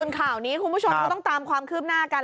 ส่วนข่าวนี้คุณผู้ชมก็ต้องตามความคืบหน้ากัน